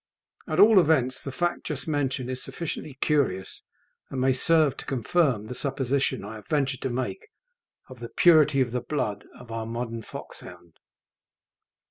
At all events, the fact just mentioned is sufficiently curious, and may serve to confirm the supposition I have ventured to make of the purity of the blood of our modern foxhound.